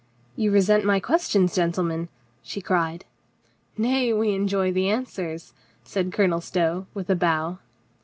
"You resent my questions, gentlemen ?" she cried. "Nay, we enjoy the answers," said Colonel Stow with a bow.